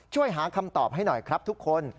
ช่วยหาคำตอบให้หน่อยครับทุกคน